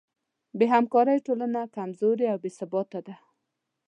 بېهمکارۍ ټولنه کمزورې او بېثباته ده.